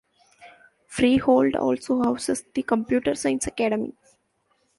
Freehold also houses the Computer Science Academy.